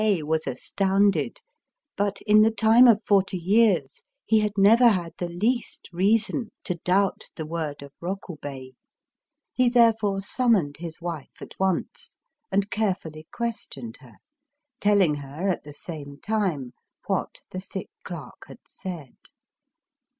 171, Digitized by Googk IKIRY5 33 Kihei was astounded; but in the time of forty years he had never had the least reason to doubt the word of Rokubei. He therefore summoned his wife at once, and carefully questioned her, telling her, at the same time, what the sick clerk had said.